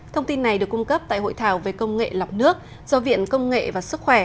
thông tin này được cung cấp tại hội thảo về công nghệ lọc nước do viện công nghệ và sức khỏe